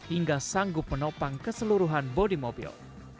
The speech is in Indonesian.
hingga sanggup menopang keseluruhan bodi mobil